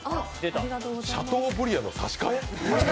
シャトーブリアンの差し替え？